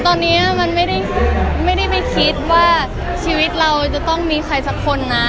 ตอนนี้มันไม่ได้ไม่คิดว่าชีวิตเราจะต้องมีใครสักคนนะ